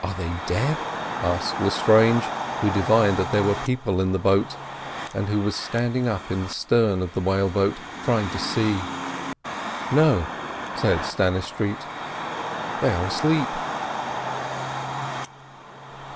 "Are they dead?" asked Lestrange, who divined that there were people in the boat, and who was standing up in the stern of the whale boat trying to see. "No," said Stannistreet; "they are asleep."